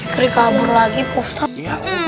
kri kabur lagi pak ustadz